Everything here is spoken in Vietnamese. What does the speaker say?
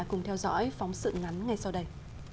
cùng theo dõi phóng sự ngắn ngay sau đây